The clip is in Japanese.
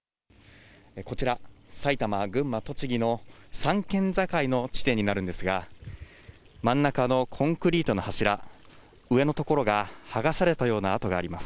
こちら、埼玉、群馬、栃木の３県境の地点になるんですが、真ん中のコンクリートの柱、上の所が剥がされたような跡があります。